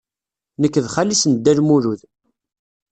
Nekk d xali-s n Dda Lmulud.